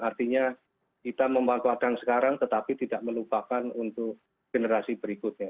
artinya kita memanfaatkan sekarang tetapi tidak melupakan untuk generasi berikutnya